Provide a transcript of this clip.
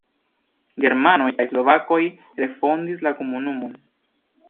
Germanoj kaj slovakoj refondis la komunumon.